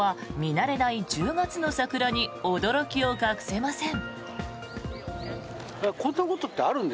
慣れない１０月の桜に驚きを隠せません。